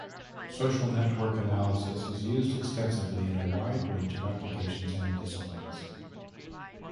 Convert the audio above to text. Social network analysis is used extensively in a wide range of applications and disciplines.